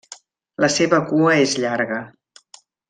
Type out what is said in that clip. La seva cua és llarga.